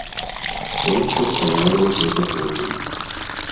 Сонца стаяла ўжо за поўдзень.